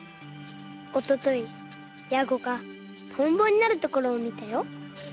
おとといヤゴがトンボになるところをみたよ。